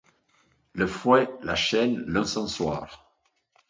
Le fouet, la chaîne, l’encensoir ;